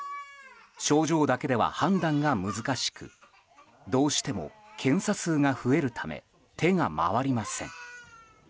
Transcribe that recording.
症状だけでは判断が難しくどうしても検査数が増えるため手が回りません。